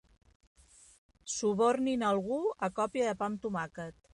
Subornin algú a còpia de pa amb tomàquet.